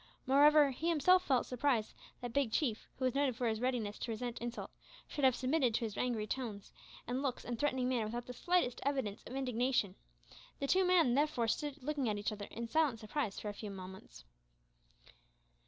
Moreover, he himself felt surprised that Big Chief, who was noted for his readiness to resent insult, should have submitted to his angry tones and looks and threatening manner without the slightest evidence of indignation. The two men therefore stood looking at each other in silent surprise for a few moments.